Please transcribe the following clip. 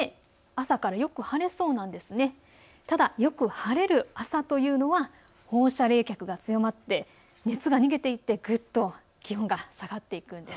ただ、よく晴れる朝というのは放射冷却が強まって熱が逃げていってぐっと気温が下がるんです。